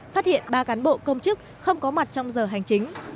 phát hiện ba cán bộ công chức không có mặt trong giờ hành chính